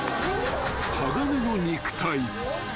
［鋼の肉体］